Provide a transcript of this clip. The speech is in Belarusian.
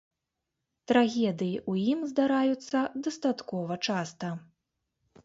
Трагедыі ў ім здараюцца дастаткова часта.